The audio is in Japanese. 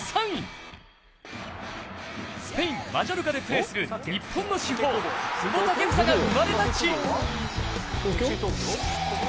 スペイン・マジョルカでプレーする日本の至宝、久保建英が生まれた地。